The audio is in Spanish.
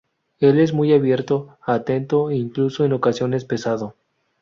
Él es muy abierto, atento e incluso en ocasiones pesado.